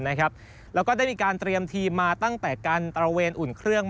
แล้วก็ได้มีการเตรียมทีมมาตั้งแต่การตระเวนอุ่นเครื่อง